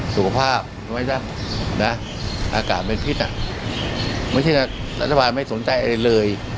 สุขภาพอากาศเป็นพิษอ่ะไม่ใช่นะรัฐบาลไม่สนใจอะไรเลย